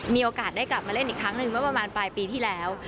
มีโอกาสได้กลับมาเล่นอีกครั้งหนึ่งเมื่อประมาณปลายปีที่แล้ว